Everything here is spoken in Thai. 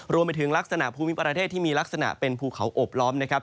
รวมไปถึงลักษณะภูมิประเทศที่มีลักษณะเป็นภูเขาอบล้อมนะครับ